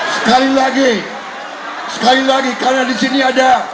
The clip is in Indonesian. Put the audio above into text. saya bertanya kepada kalian